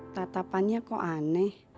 tetapannya kok aneh